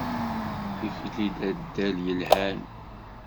Tikli d addal yelhan.